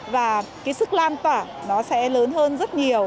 và cái sức lan tỏa nó sẽ lớn hơn rất nhiều